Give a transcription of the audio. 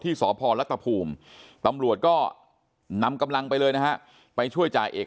สพรัฐภูมิตำรวจก็นำกำลังไปเลยนะฮะไปช่วยจ่าเอก